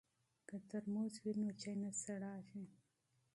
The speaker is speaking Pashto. که ترموز وي نو چای نه یخیږي.